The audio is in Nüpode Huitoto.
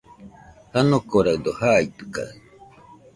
Janokoraɨdo jaitɨkaɨ.